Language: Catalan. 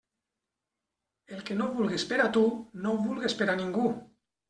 El que no vulgues per a tu, no ho vulgues per a ningú.